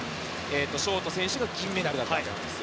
ショート選手が銀メダルだったんです。